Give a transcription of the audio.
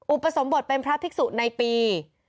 อุปสมบทเป็นพระภิกษุในปี